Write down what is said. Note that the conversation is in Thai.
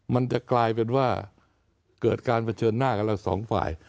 มันจะกลายเป็นว่าเกิดการเผชิญหน้ากับเราสองฝ่าย